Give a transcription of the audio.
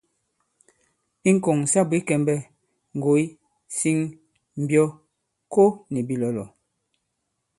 I ŋ̀kɔ̀ŋ sa bwě kɛmbɛ, ŋgòy, siŋ, mbyɔ, ko nì bìlɔ̀lɔ̀.